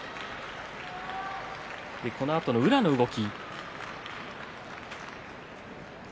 このあとの宇良の動き。